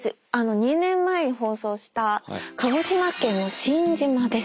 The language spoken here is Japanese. ２年前に放送した鹿児島県の新島です。